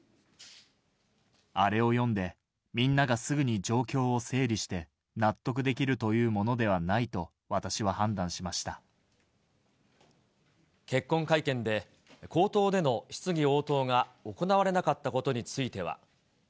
あれを読んで、みんながすぐに状況を整理して納得できるというものではないと私結婚会見で、口頭での質疑応答が行われなかったことについては。